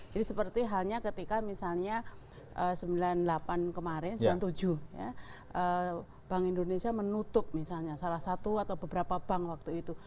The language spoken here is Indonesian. jadi seperti halnya ketika misalnya sembilan puluh delapan kemarin sembilan puluh tujuh bank indonesia menutup misalnya salah satu atau beberapa bank waktu itu